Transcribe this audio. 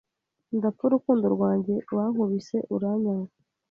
Ndapfa urukundo rwanjye wankubise uranyanga